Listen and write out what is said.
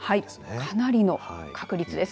かなりの確率です。